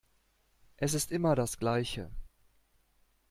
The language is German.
Es ist immer das Gleiche.